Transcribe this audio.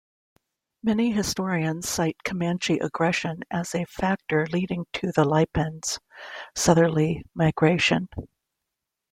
Many historians cite Comanche aggression as a factor leading to the Lipan's southerly migration.